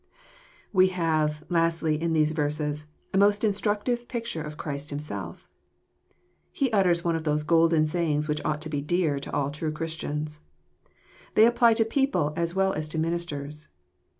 We have, lastly, in these verses, a most instructive picture of Christ Himself* He utters one of those golden sayings which ought to be dear to all true Christians. They apply to people as well as to ministers.